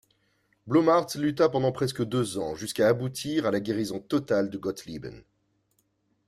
Blumhardt lutta pendant presque deux ans, jusqu'à aboutir à la guérison totale de Gottlieben.